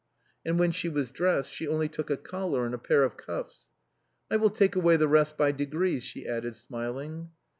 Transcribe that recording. And when she was dressed she only took a collar and a pair of cuffs. " I will take away the rest by degrees," she added, smiling.